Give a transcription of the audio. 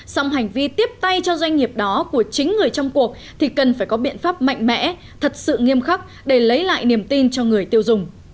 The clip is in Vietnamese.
xong hành vi tiếp tay cho doanh nghiệp đó của chính người trong cuộc thì cần phải có biện pháp mạnh mẽ thật sự nghiêm khắc để lấy lại niềm tin cho người tiêu dùng